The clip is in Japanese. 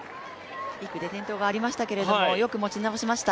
転倒がありましたけれども、よく持ち直しました。